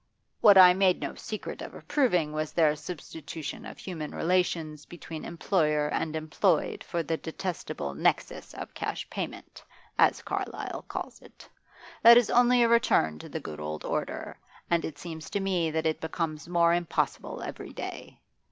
'What I made no secret of approving was their substitution of human relations between employer and employed for the detestable "nexus of cash payment," as Carlyle calls it. That is only a return to the good old order, and it seems to me that it becomes more impossible every day.